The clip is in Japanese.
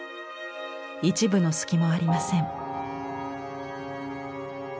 一分の隙もありません。